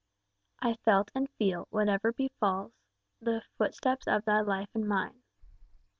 "I felt and feel, whate'er befalls, The footsteps of thy life in mine."